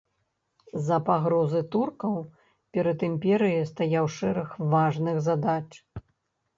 З-за пагрозы туркаў перад імперыяй стаяў шэраг важных задач.